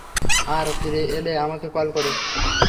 আর, ফিরে এলে আমাকে কল কোরো।